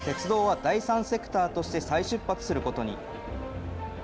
活動のかいあって、鉄道は第三セクターとして、再出発することに。